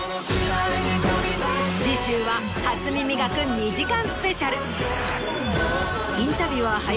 次週は『初耳学』２時間スペシャル。